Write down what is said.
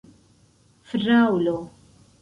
fraŭlo